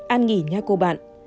an nghỉ nha cô bạn